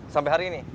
sampai hari ini